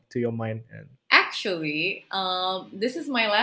sebenarnya ini adalah tahun terakhir saya